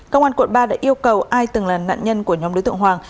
công an quận ba đã yêu cầu ai từng là nạn nhân của nhóm đối tượng hoàng